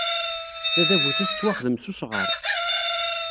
Tadabut-a tettwaxdem s wesɣar.